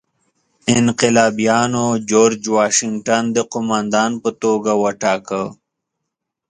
انقلابیانو جورج واشنګټن د قوماندان په توګه وټاکه.